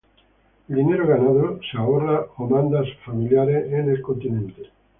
El dinero ganado es ahorrado o mandado a sus familiares en el continente.